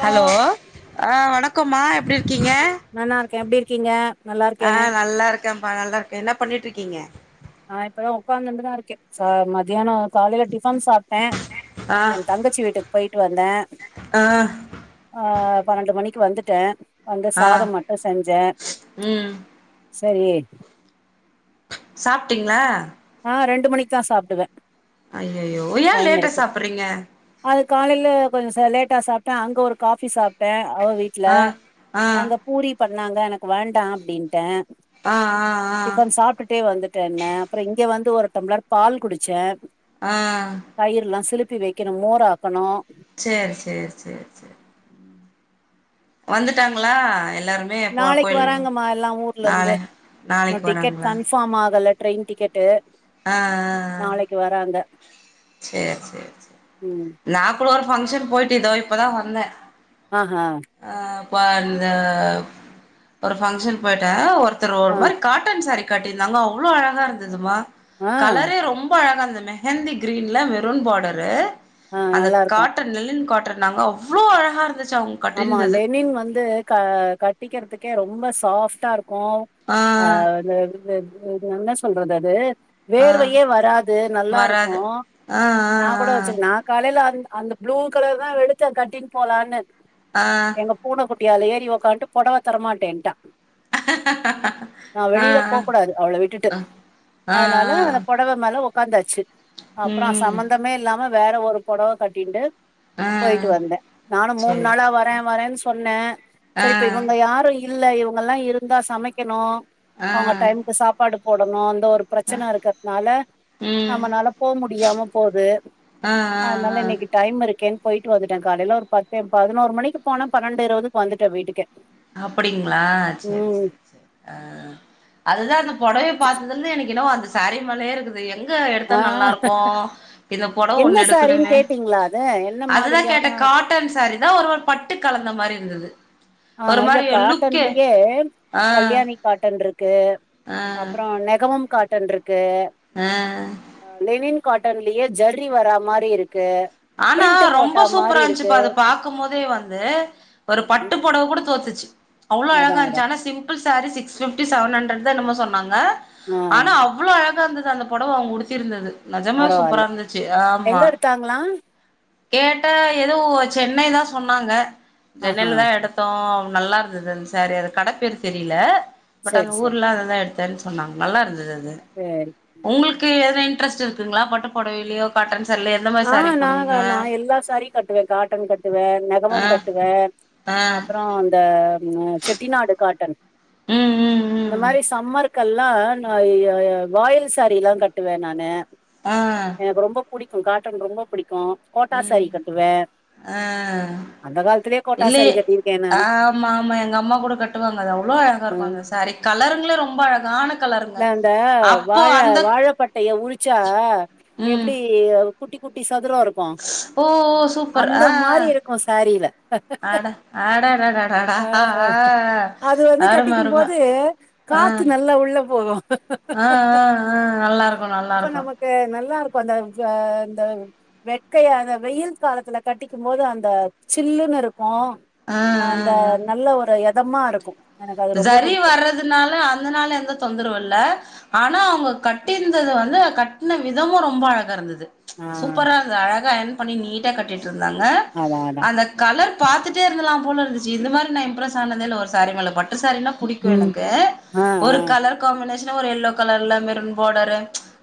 Hello ஆ வணக் க்கமா எப்படி இருக்கீங்க கீங்க ஆ நல்லா இருக் இக்கம்பா நல்லா இருக்க என்ன பண்ணிட்டு இருக்கீங்க நா இப்பதா உட்காந்துட்டுதான் இருக்கேன் ச மத்தியான காலையில டிஃபன் சாப்ட்டே ஆ எ தங்கச்சி வீட்டுக்கு போயிட்டு வந்தே ஆ ஆ பன்னெண்டு மணிக்கு வந்துட்டே வந்து ஆ சாதம் மட்டு செஞ்சே ம் சேரி சாப்பிட்டீங்களா அ ரெண்டு மணிக்குதா சாப்டுவே அய்யய்யோ ஏன் லேட்டா சாப்புறீங்க காலையில கொஞ்ச ச லேட்டா சாப்டே அங்க ஒரு காஃபி சாப்டே அவ வீட்ல ஆ ஆ அங்க பூரி பண் நாந்தா எனக்கு வேண்டா அப்டின்ட்டே ஆ ஆ ஆ டிஃபன் சாப்டுட்டே வந்துட்டேன்ன இங்க வந்து ஒரு டம்ளர் பால் குடிச்சே ஆஹ் த்தி வைக்கணு மோராக்காணு சேர் சேர் சேர் சேர் வந்துட்டாங்களா எல் நாளைக்கு வராங்கம்மா எல்லா ஊர்லருந்து நாளை நாளைக்கு இன்னு டிக்கெட் வராங்களா கன்ஃபார்ம் ஆகல ட்ரெயின் டிக்கெட்டு ஆ ஆ ஆ நாளைக்கு வராங்க சேர் சேர் சேர் ம் நா கூடோ ஃபங்ஷன் போயிட்டு இதோ இப்பதா வந்தே ஆ ஹா ப இந்த ஒரு ஃபங்ஷன் போயிட்டே ஒரு த்தர் ஒரு ஆ மாரி காட்டன் சாரி கட்டிருந்தாங்க அவ்ளோ அழகா இருந்ததுமா ஆ கலரே ரொம்ப அழகாருந்த து மெஹந்தி க்ரீன்ல மெரூன் பாடரு ஆ அந்த நல்லா இருக்கு காட்டன் லெனின் காட்டன் நாங்க அவ்ளோ அழகா இருந்துச் ஆமா லெனின் வந்து க கட்டிக்கிறத்துக் கே ரொம்ப சாஃப்டா இருக் கோ ஆ அ ந் இது இல்ல இத் இது என்ன சொல்றது அது ஆ வேர்வையே வராது நல்லா வராது இருக்கோ ஆ நா கூட வெச்சுருக் நா காலைல அந்த அந்த ப்ளூ கலர் தா எடுத்த கட்டின் போலான்னு ஆ ஆ எங்க பூன குட் டி அதுல ஏறி ஒக்கான்ட்டு பொடவ தரமாட்டேன்ட்டா நா ஆ ஆ வெளில ஆ போக்கூடாது அவள விட்டுட்டு ஆ ஆ அதனால பொடவ மேல ஒ ஒக்காந்தாச்சு அப்றோ ம் சம்மந்தமே இல்லாம வேற ஒரு பொடவ கட்டின்டு ஆ போயிட்டு வந்தே நானோ மூணு சேரி நால வர வரேன் சொல் சொன்ன ஆ சரிப்ப இவங்க யாரோ இல்ல இவங்க ல்லா இருந்தா சமைக்கணோ ஆ அவுங்க டைமுக்கு சாப்பாடு போடணோ ஒரு பிரச்சனருக்கிறதுனால ம் நம்மனால போ முடியாம போது ஆ ஆ அதனால ஆ இன்னிக்கு டைம் இருக்கு கேன் போயிட்டு வந்துட்டே காலையில ஒரு பத் ஏ பதுனோரு மணிக்கு போனா பன்னெண்டு இருவதுக்கு வந்துட்ட வீட்டுக்கே அப்புடிங்ளா சரி சரி சரி ஆ அதுதா இந்த போ ட்ரையல் பாத்ததுல்ல எனக்கென்னவோ அந்த ஸ் சேரி மேலையே இருக்குது இது எங்க எடுத்தா ஆ நல்லாருக்கூ இந்த பொடவ என்ன ஒண்ணு சாரின்னு எடுக்கணுமே கேட்டீங்களா அது என்ன அதுதா மாதிரியான கேட்ட காட்டன் சேரீதா ஒரு ஒரு பட்டு கலந்த மாரி இருந்துது ஆ ஆ இல்ல காட்டன்லியே ஆ கல்யாணி காட்டன்ட்ருக்கு ஆ அப்புறோ நெகவும் கா டன்ட்ருக் கு ஆ அ லெலின் காட்டன்லயே ஜர்ரி வரா மாரி இருக் ஆனா ரொம்ப சூப்பரா இருக்கு இருந்ச்சுப்ப அது பாக்கும் போதே வந்து ஒரு பட்டு ம் பொடவ கூட தோச்சுச்சு அவ்ளோ அதா அழகா அதா இருந்சு ஆனா சிம்பிள் ஸ் sari six fifty seven hundred தா என்னமோ சொன்னாங் க ஆ ஆனா அவ்ளோ அழக் கா இருந்துது அந்த பொடவ அவங்க உடுத்தி இருந்தது நெஜமே சூப்பரா பரவால்ல இருந்துச்சு ஆமா எங்க எடுத்தாங்களா கேட்ட ஏதோ சென்னை தா சொன்னாங்க சென்னை ஆஹா ல தா எடுத்தோ நல்லா இருந்துது இந் சேரீ அது கட பேர் தெரில பட் அந்த செரி செரி ஊர்ல அததா எடுத் தன் சொன்னாங்க நல்லா இருந்துது அத் சேரி உங்களுக்கு எதை- ட்ரஸ்ட் இருக்குங்களா பட்டு புடவைலியோ காட்டன்ஸ் தெர்ல எந்தமாரி ஆ சாரி நாங்க நா எல்லா சாரியும் கட்டுவேன், காட்டன் கட்டுவேன், ஆ நெகமம் கட்டுவேன், ஆ அப்புறம் இந்த அஹ் செட்டிநாடு காட்டன் ம் ம் ம் இந்தமாரி சம்மருக்கெல்லாம் நா இய் யா வாயில் சாரீ தான் கட்டுவேன் நானு ஆ எனக்கு ரொம்ப புடிக் அஹ் காட்டன் ரொம்ப புடிக் உம் ஆஹ் அந்த காலத்திலயே கோட்டா இல்லிய சாரீ கட்டியிருக்கே நானு ஆமா ஆமா எங்க அம்மா கூட கட்டுவாங்க அதுல அவ்ளோ அழகா இருப்பாங்க சேரி கலருங்களும் ரொம்ப அழகான கலருங்க த அந்த அப்போ வாழ அந்த வாழப்பட்டைய உரிச்சா ம் எப்டி இரு குட்டி குட்டி சத் சதுரோ இருக்கு ஓ ஓ சூப்பர் அந்த ஆ மாரி இருக்கு சேரில ஆ அட அடடடடடா அ ஆ ஆ அது வந்து அரும கட்டிக்கு போது காத்து நல்லா உள்ள போகு ஆஹ் ஆஹ் ஆஹ் நல்லாருக்கு அப்ப நல்லாருக்கு நமக்கு நல்லா இருக்கு அந்த அ அந்த வெக்கைய அந்த வெயில் காலத்துல கட்டிக்கு போது அந்த சில்லுன்னு இருக் ப்ப ஆ அந்த நல்ல ஒரு எதமா இருக்கு எனக்கு அது ரொம்ப ஷரி புடிக்கு வர்றதுனால அந்த நாள்ல எந்த தொந்தரவு இல்ல ஆனா அவங்க கட்டிருந்தது வந்து கட்ன விதமு ரொம்ப அழகா இருந்துது ஆ ச் சூப்பரா இருந்தது அழகா எந் பண்ணி நீட்டா கட்டி கட்டிருந்தாங்க அதா அதா அந்த கலர் பாத்துட்டே இருந்துல்லா போல ச்சி இந்த மாரி நான் இம்ப்ரஸ் ஆனதே இல்ல ஒரு சாரி ப பட்டு சேரினா புடிக்கு ம் எனக்கு ஆ ஆ ஒரு கலர் காம்பினேஷன் என்ன ஒரு யெல்லோ கலர்ல மெருன் பாடரு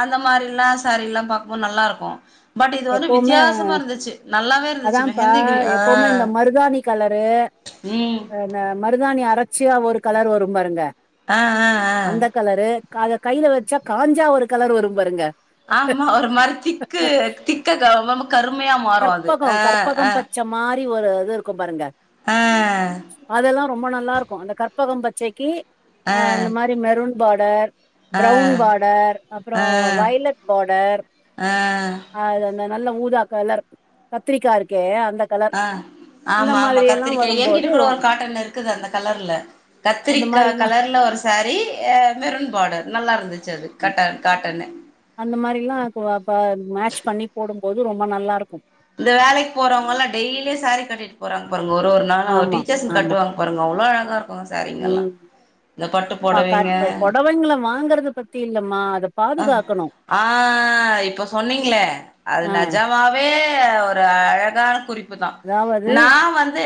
அந்த மாரில்லா சேரிலா பாக்குபோது நல்லா இருக்கு எப்பவுமே இருந்துச்சு அதாப்பா மெஹந்தி கிரி ஆ எப்பவுமே இந்த மருதாணி கலரு ம் அ மருதாணி அர் தொடர்ச்சியா ஒரு கலர் வரு பாருங்க ஆ ஆ அந்த ஆ கலரு அத கையில வச்சா காஞ்சா ஒரு கலரு வரு பாருங்க ஆமா ஒரு மரத்திக்கு திக் க்கமமா கருமையா மாறு அது அஹ் ஆஹ் ரி ஒரு இது இருக்கு பாருங்க ஆஹ் அதெல்லா ரொம்ப நல்லா இருக்கு அந்த கற்பக பச்சைக்கு அஹ் அந்த அ மாரி மெருன் பாடர் அ ப்ரவுன் பார்டர் அப்பறோ அ வைலட் பார்டர் அ அது வந் நல்ல ஊதா கலர் கத்திரிக்கா இருக்கே அந் அ ஆமா ஆமா கத்திரிக்காய் என்கிட்ட வரும்போது கூட ஒரு காட்டன் இருக்குது அந்த கலர்ல அந்த கத்திரிக்கா மாரிலா கலர்ல ஒரு சாரி மெருன் பாடர் நல்லா இருந் ச்சுது கட்ட காட்டனு அந்த மாரில்லா அப்போ அப்ப மேட்ச் பண்ணி போடும்போது ரொம்ப நல்லாருக்கும் இந்த வேலைக்கு போறவுங்கல்லா டெய்லி சாரி கட்டிட்டு போறாங்க பாருங்க ஒரு ஒரு நாளு ஆமா டீச்சர்ஸ்க ஆமா கட்டு வாங்க பாருங்க அவ்ளோ அழகா இருக்குங்க சாரிங்கல்லா ம் இந்த பட்டு பா பொடவீங்க காட் புடவைங்கள வாங்கறத பத்தி இல்லம்மா அத அஹ பாதுகாக்கணு ஆஹ் இப்போ சொன்னீங்களே அது ஆ நெஜாமாவே ஒரு அழகான குறிப் அதாவது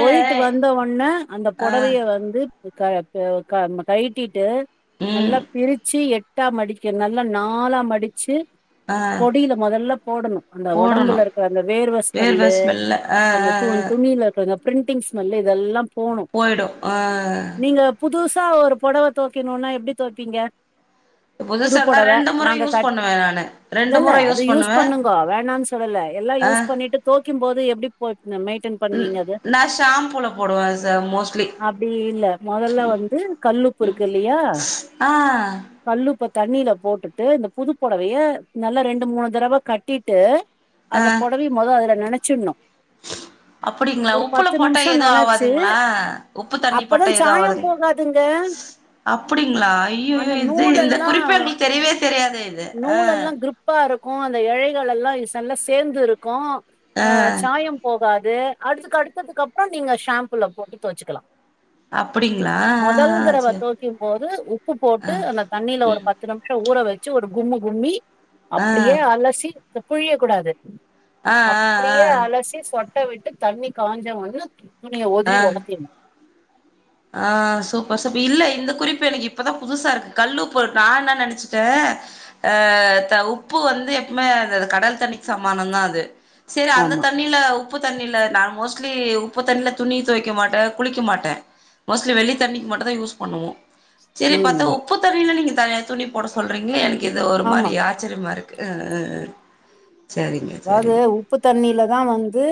போயிட்டு வந்தவோடன அந்த ஆ பொடவய வந்து பு கழ ப்பு கழ கழ்டிட்டு ம் நல்லா பிரிச்சு எட் எட்டா மடிக்க நல்ல நாலா மடிச்சி ஆ கொடில மொதல்ல போடணு அந்த போடணு ஒடம்புல இருக்கிற அந்த வேர்வ வேர்வஸ்மல்லு ஸ்மெல்ல ஆ ஆ அந்த தூண் ஆ துணில இருக்கறத பிரிண்டிங் ஸ்மெல்லு இதெல்லா போனு போயிடு ஆ நீங்க புதுஸ் சா ஒரு பொடவ தொவய்க்ணுனா எப்டி தொவப்பீங்க புதுசா இருந்தா புதுப்பொடவ ரெண்டு முறை நாங்க யூஸ் கட் பண்ணுவே நானு ரெண்டு இல்லல்ல முறை அது யூஸ் பண்ணுவே பண்ணுகோ வேணானு சொல்லல எல்லா ஆ யூஸ் பண்ணிட்டு தொய்க்குபோது எப்டி இந்த மெயிடென் பண்ணுவீங்க அத நா ஷாம்பூல போடுவே சார் மோஸ்ட்லி அப்டி இல்ல மொதல்ல வந்து கல்லுப்பு இருக்கு இல்லியா ஆ கல்லுப்ப தண்ணில போட்டுட்டு இந்த புது பொடவய நல்லா ரெண்டு மூணு தடவ கட்டிட்டு ஆ அந்த பொடவய மொத அதுல நெனச்சிட்னு அப்டிங்களா உப்புல போட்டா நிமிஷோ எது நெனச்சு ஆவாதுங்களா உப்பு தண்ணி அப்பதா பட்டா ஏது சாயம் ஆவாதுங் போகாதுங்க அப்டிங்களா அந்த ஐய்யையோ இது நூல் இந்த எல்லா குறிப்பே எங்களுக்கு தெரியவே தெரியாது இது அ க்கு அந்த எழைகள் எல்லா இ நல்ல சேந்து இருக்கு அ ஆ சாயம் போகாது அது அடுத்ததுக்கு அப்பறோ நீங்க ஷாம்புல போட்டு தொவச்சுக்கலா அப்டிங்களா ஆ மொதல் ஆ ஆ தடவ சேரி தொவைக்கு போது உப்பு போட்டு அந்த தண்ணில ஒரு ம் பத்து நிமிஷோ ஊற வை ச்சு ஒரு கும்மு கும்மி ஆ அப்டியே அலசி த புழிய கூடாது ஆ ஆ ஆ பொட்ட விட்டு தண்ணி காஞ்ச ஒண்ண நீங்க ஆ ஒதுரி ஆ ஒலத்திர்னும் ஆ சூப்பர் சூப் இல்ல இந்த குறிப்பு எனக்கு இப்பதான் புதுசாருக்கு கல்லுப்போட்டா நான் என்ன நெனச்சுட்டேன் அ உப்பு வந்து எப்பமே கடல் தண்ணிக் சமானந்தாம் அது சேரி அந்த ஆமா தண்ணில உப்பு தண்ணில நா மோஸ் லி உப்பு தண்ணில துணி தொவெக்க மாட்டேன் குளிக்க மாட்டேன் மோஸ்ட்லி வெள்ளி தண்ணிக்கு மட்டுந்தான் யூஸ் பண்ணுவோம் செரி பாத்தா ம் உப்பு தண்ணில நீங்க தனியா துணி போட சொல்றீங்ளே இது ஒரு மாரி ஆமா ஆச்சர்யமாருக் க்க அதாவ்து உப்பு தண்ணில தா வந்து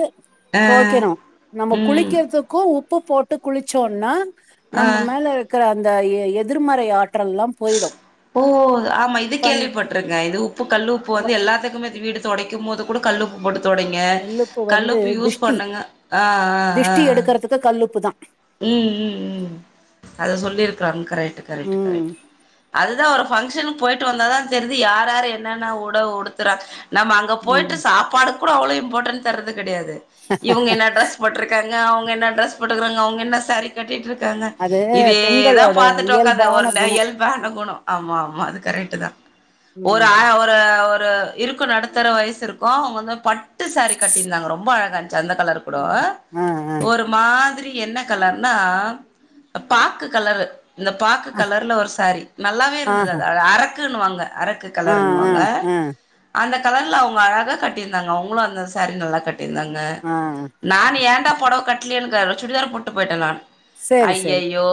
ஆ தோக்கெணு நம்ம ம் குளிக்கற்துக்கு உப் பு போட்டு குளுச்சோன்னா நம்ப ஆ மேல இக்குற இந்த எ எதிர்மறை ஆ ஓ ஆமா இது இப்ப கேள்விப்பட்ருக்கே இது உப்பு கல்லுப்பு ஆமா வந்து எல்லாத்துக்குமே வீடு தொடைக்கும் போது குட கல்லுப்பு போட்டு தொடைங்க வந்து கல்லுப்பு யூஸ் திஷ்டி பண்ணுங்க ஆ ஆ ஆ ஆ திஷ்டி எடுக்கறதுக்கு கல்லுப்பு தா ம் ம் ம் அத சொல்லி இருக்குறாங் கரேட்டு கரெட்டு ம் கரேட்டு அதுதா ஒரு ஃபங்ஷனுக் போயிட்டு வந்தாதா தெரிது யாராரு என்னன்ன உட உடுத்துறா நம்ம அங்க போயிட்டு ம் சாப்பாடு கூட அவ்ள இம்பாட்டன் தர்றது கெடயாது இவுங்க என்ன ட்ரஸ் போட்ருக்காங்க அவுங் க என்ன ட்ரெஸ் போட்டுக்குறாங்க அவுங் என்ன சாரீ கட்டிட்ருக் காங்க அது இதேதா பெண்களோட பாத்துட்டு ஒக்கார்னு இயல்பான ஒர்னெ குணோ இயல்பான கொணொ ஆமா ஆமா அது கரேக்ட்டு தா ஒரு ம் ஆ ஒரு ஒர் ஒரு இருக்கு நடுத்தர வயசிருக்கூ அவுங்கந்த பட்டு சாரி கட்டிந்தாங்க ரொம்ப அழகா ச்சந்த கலர் கூட ஆ ஆ ஒரு மாதிரி என்ன கலர்னா பாக்கு கலரு இந்த பாக்கு கலர்ல ஒரு சாரி நல்லாவே ஆ இருந்தது அது அர குணுவாங்க அரக்கு ஆ கலர் என்ண்ணுவாங்க ஆ ஆ அந்த கலர்ல அவுங்க அழகாக கட்டியிருந்தாங்க அவுங்களும் அந்த சாரீ நல்லா கட்டி இருந்தாங்க ஆ நான் ஏடா போடோ கட்ட ட்னேன் சுடிதார் போட் டு போய்ட்டன் நான் சரி, சரி. ஐய்யயோ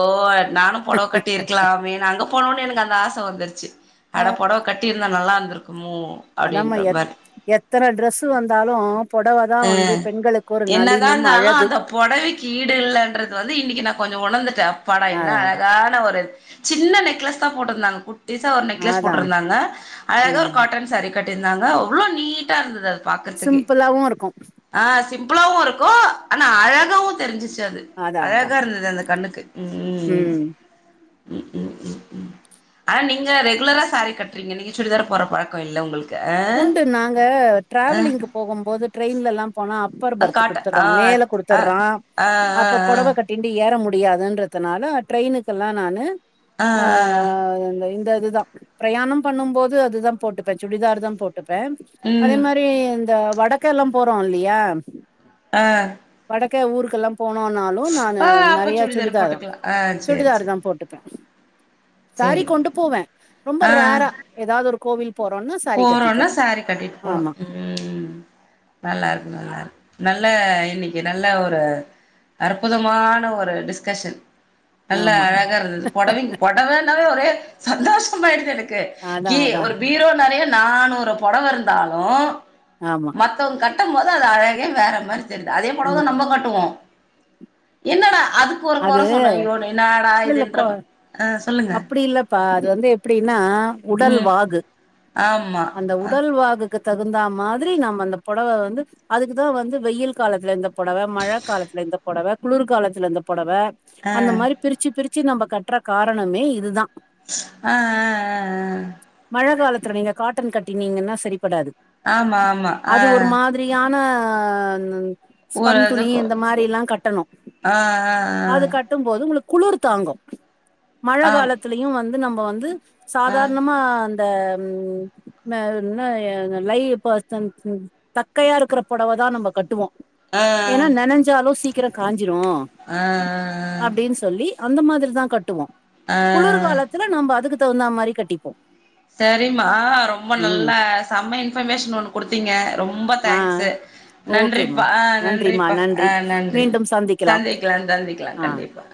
நானும் பொடவ கட்டிருக்கலாமே நாங் போனவுனே எனக்கு அந்த ஆசை வந்துருச்சு அட பொடவ கட்டிருந்தா நல்லா இருந்துற் அதமா எத் எத்தன ட்ரெஸு வந்தாலு பொடவ அ என்னதா இந்தாலு அழகு. அந்த பொடவிக் ஈடு இல்லன்றது வந் இன்னிக்கு நா கொஞ்சோ ஒணர்ந்துட்டே அ ப்பாடா என்ன அதான், அதான். அழகான ஒரு சின்ன நெக்லஸ் தா போட்ருந்தாங் குட் டீசா ஒரு நெக்லஸ் அதான். போட்ருந்தாங்க அழகா ஒரு ம். காட்டன் சாரீ கட்டிர்ந்தாங்க அவ்ளோ நீட்டா இருந்துது அது சிம்பிளாவு இருக்கு ஆஹ் சிம்பிளாவு இருக்கு ஆனா அழகாவு தெரிஞ்சுச்சு [unintelligible] அதான், அழகா அதான். இருந்துது அந்த கண்ணுக்கு உம் ம். ம் ம் ம் ம் ஆனா நீங்க ரெகுலரா சாரி கட்றீங்க நீங்க சுடிதாரு போற பழக்கோ இல்ல உங்குளுக் உண்டு நாங்க டிராவலிங்க்கு போகும் போது ட்ரெயின் ல போனா அப் ப்பர் ஆ பர்த்து காட்ட குடுத்துட்றா ஆ மேல ஆ குடுத்துட்றா ஆ ஆ அப்ப பொடவ ஆ கட்டின்ட்டு ஏற மு முடியாதுன்றதுனால ட்ரெயினுக்கெல்லா நானு ஆ அ அந்த இந்த அது தா பிரயாணம் பண்ணும் போது அது தா போட்டுப்பே சுடிதார் தா போ ட்டுப்பே ஆ அதே ம் மாரி இந்த வடக்க எல்லா போறோ இல்லையா அ க்க ஊருக்கெல்லாம் போனோனாலு நானு அப்ப நெறைய சுடிதார் சுடிதா தா போட்டுக்கலா ஆ சேரி சுடிதாரு தா சேரி போட்டுப்பே சாரி சேரிங்க கொண்டு போவே ரொம்ப ஆ ரேரா எதாவ்து ஒரு கோ போவே போறோன்னு சேரி கட்டி சேரி கட்டிட்டு போலாம் உம்ம் நல்லா இருக்கு நல்லா இரு நல்ல இன்னைக்கு நல்ல ஒரு அற்புதமான ஒரு டிஸ்கஷ்ஷன். நல்ல ஆமா அழகா இருந்தது பொடவைங் பொடவனாலே ஒரே சந்தோஷமாயிடுது எனக்கு க்கு அதா கீ அதா ஒரு பீரோ நானூறு பொடவ இருந்தாலும் ஆமா மத்தவங் கட் கட்டும் போது அது அழகே வேற மாறி. தெரில அதே பொடவதான் நம்ப ம் கட்டுவோம், என்னடா அதுக்கு ஒரு கொற அது சொன்னே ஐயோ என்னடா இதுன்ற இல்லல்லகொ மா ஆ சொல்லுங்க அப்படி இல்லப்பா அது வந்து எப்டின்னா, உடல் ம் வாகு, ஆமா அந்த அ உடல் வாகு துக்கு தகுந்தா மாதிரி நாம அந்த பொடவ வந்து அதுக்கு தா வந்து வெயில் காலத்துல இந்த பொடவ மழக்காலத்துல இந்த பொடவ குளுர் காலத்துல இந்த பொ பொடவ ஆ அந்த மாரி பிரிச்சி பிரிச் வச்சு நம்ம கட்ற காரணமே இதுதான் ஆஹ் ஆஹ் ஆஹ் இப்ப நீங்க காட்டன் கட்டினீங்கன்னா சரிப்படாது ஆமா, ஆமா ஆஹ் ஆஹ் ஆஹ் ஸ்பன் துணி இந்த மாரி லாம் கட்டணும். ஆ ஆ அது கட்டும் போது உங்ளுக் குளுர் தாங்கும் மழ ஆ ஆம் காலத்லயும் வந்து நம் இப்ப வந்து ஆ சாதாரணமா த ம் ம் மே இன்ன என்ன லை பர்சன் தக்கையா இருக்கிற புடவை தான் நம்ம கட்டுவோம் ஆ ஏன்னா ஆ நெனஞ்சாலும் சீ சீக்கிரம் காஞ்சிரும் ஆ அப்டின் சொல்லி அந்த மாதிரி தான் கட்டுவோம் ஆ குளிர்காலத்துல நம்ம அதுக்கு தகுந்தா மாரி கட்டிப்போ சரிமா ரொம்ப ம் நல்லா சம்ம இன்பர்மேஷன் ஒண்ணு குடுத் தீங்க ரொம்ப ஆ தேங்க்ஸு ஓகேமா நன்றிப்பா அ நன்றிமா நன்றிப்பா அ நன்றி நன்றி மீண்டும் சந்திக்கலாம் சந்திக்லா சந்திக்லா ஆ கண்டிப்பா